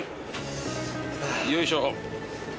よいしょ。